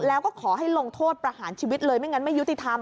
แล้วก็ขอให้ลงโทษประหารชีวิตเลยไม่งั้นไม่ยุติธรรม